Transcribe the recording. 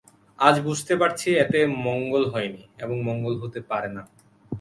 আজ বুঝতে পারছি এতে মঙ্গল হয় নি এবং মঙ্গল হতে পারে না।